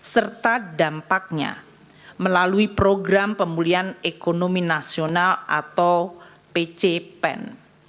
serta dampaknya melalui program pemulihan ekonomi nasional atau pcpen